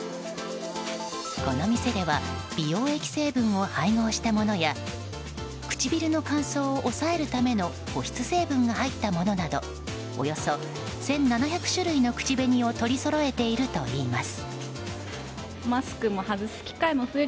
この店では美容液成分を配合したものや唇の乾燥を抑えるための保湿成分が入ったものなどおよそ１７００種類の口紅を取りそろえているといいます。